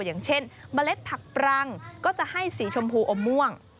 อย่างเช่นเมล็ดผักปรังก็จะให้สีชมพูอมม่วง